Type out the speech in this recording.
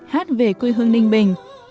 hát về quê hương ninh bình